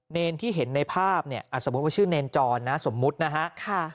เนรที่เห็นในภาพเนี่ยสมมุติว่าชื่อเนรจรนะสมมุตินะฮะ